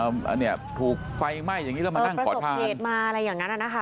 อันนี้ถูกไฟไหม้อย่างนี้แล้วมานั่งขอทานเหตุมาอะไรอย่างนั้นอ่ะนะคะ